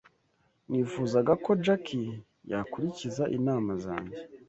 Nifuzaga ko Jack yakurikiza inama zanjye.